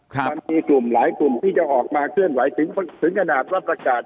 มันมีกลุ่มหลายกลุ่มที่จะออกมาเคลื่อนไหวถึงขนาดรับประกาศ